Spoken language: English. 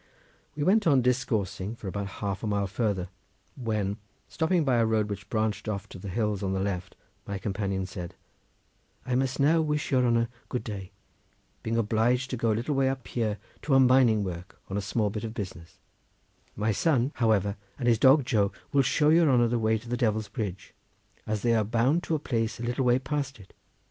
We went on discoursing for about half a mile farther, when, stopping by a road which branched off to the hills on the left, my companion said, "I must now wish your honour good day, being obliged to go a little way up here to a mining work on a small bit of business; my son, however, and his dog Joe will show your honour the way to the Devil's Bridge, as they are bound to a place a little way past it.